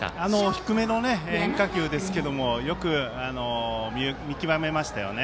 低めの変化球ですけれどもよく見極めましたよね。